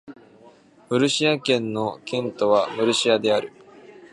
ムルシア県の県都はムルシアである